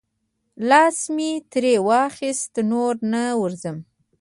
لاس مې ترې واخیست، نور نه ورځم.